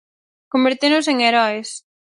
Convertéronse en heroes.